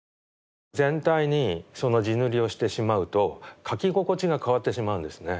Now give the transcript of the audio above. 全体にその地塗りをしてしまうと描き心地が変わってしまうんですね。